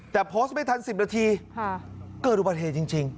แต่โพสต์ไม่ทัน๑๐นาทีเกิดอุบัติเหตุจริง